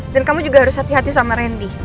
dan kamu juga harus hati hati sama rendi